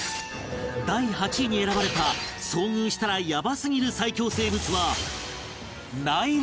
第８位に選ばれた遭遇したらヤバすぎる最恐生物は